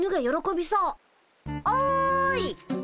おい！